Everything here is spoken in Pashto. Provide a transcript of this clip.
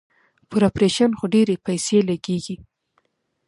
پر اپرېشن خو ډېرې پيسې لگېږي.